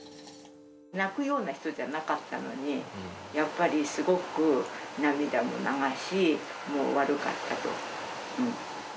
泣くような人じゃなかったのに、やっぱりすごく涙も流し、もう悪かったと。